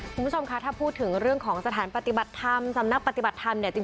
คุณผู้ชมคะถ้าพูดถึงเรื่องของสถานปฏิบัติธรรมสำนักปฏิบัติธรรมเนี่ยจริง